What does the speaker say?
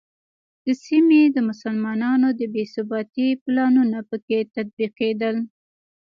د سیمې د مسلمانانو د بې ثباتۍ پلانونه په کې تطبیقېدل.